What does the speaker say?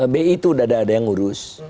bi itu sudah ada yang ngurus